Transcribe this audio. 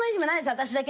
私だけ。